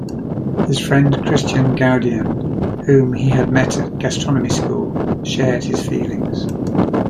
His friend Christian Gaudian, whom he had met at gastronomy school, shared his feelings.